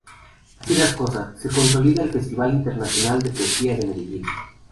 Así las cosas, se consolida el Festival Internacional de Poesía de Medellín.